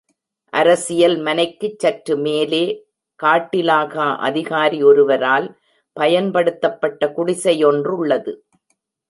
அரசியல் மனைக்குச் சற்று மேலே, காட்டிலாகா அதிகாரி ஒருவரால் பயன்படுத்தப்பட்ட குடிசை யொன்றுள்ளது.